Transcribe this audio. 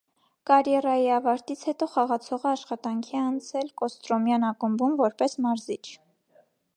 Կարիերայի ավարտից հետո խաղացողը աշխատանքի է անցել կոստրոմյան ակումբում՝ որպես մարզիչ։